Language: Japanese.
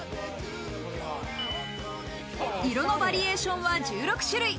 色のバリエーションは１６種類。